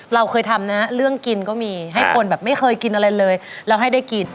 เราเคยทำนะเรื่องกินก็มีให้คนแบบไม่เคยกินอะไรเลยแล้วให้ได้กิน